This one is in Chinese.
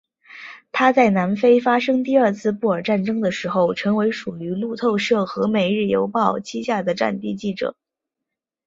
他在南非发生第二次布尔战争的时候成为属于路透社和每日邮报膝下的战地记者。